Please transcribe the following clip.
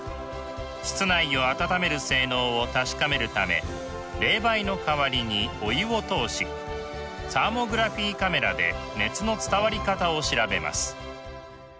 室内を暖める性能を確かめるため冷媒の代わりにお湯を通しサーモグラフィーカメラで熱の伝わり方を調べます。